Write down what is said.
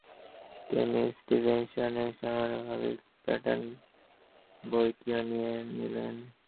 তিনি ষ্টিভিনশনের সমনোমাবলিক প্যাটার্ন বইটিও নিয়ে নিলেন।